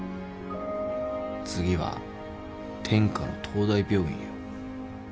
次は天下の東大病院よ。